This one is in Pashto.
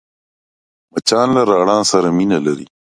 مچان له رڼا سره مینه لري